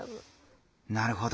なるほど。